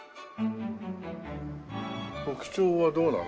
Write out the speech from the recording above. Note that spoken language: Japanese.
特徴はどうなの？